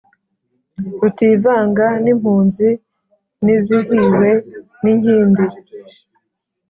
rutivanga n'impunzi nizihiwe n'inkindi;